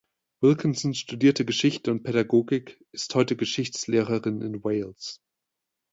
Wilkinson studierte Geschichte und Pädagogik ist heute Geschichtslehrerin in Wales.